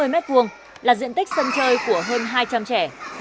tám mươi mét vuông là diện tích sân chơi của hơn hai trăm linh trẻ